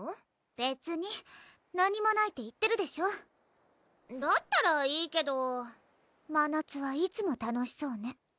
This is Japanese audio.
別に何もないって言ってるでしょだったらいいけどまなつはいつも楽しそうね